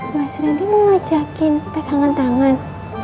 mas reddy mau ngajakin petangan tangan